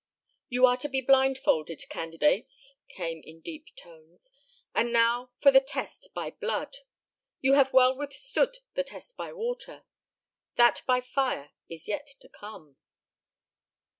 "Ye are to be blindfolded, candidates," came in deep tones, "and now for the test by blood. Ye have well withstood the test by water. That by fire is yet to come."